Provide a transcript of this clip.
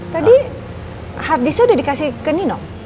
tadi harddisknya udah dikasih ke nino